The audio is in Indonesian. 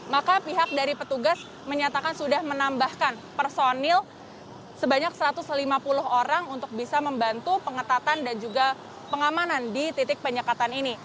maka pihak dari petugas menyatakan sudah menambahkan personil sebanyak satu ratus lima puluh orang untuk bisa membantu pengetatan dan juga pengamanan di titik penyekatan ini